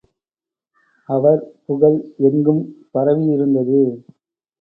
அவர் புகழ் எங்கும் பரவியிருந்தது.